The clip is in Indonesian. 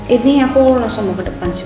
ini aku langsung mau ke depan sih